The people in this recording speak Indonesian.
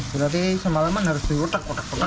berarti semalaman harus diutek kotak kotak